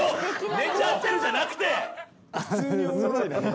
寝ちゃってるじゃなくて！